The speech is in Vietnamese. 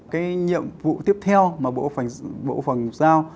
cái nhiệm vụ tiếp theo mà bộ quốc phòng giao